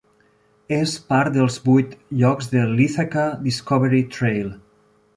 És part dels vuit llocs de l'Ithaca Discovery Trail.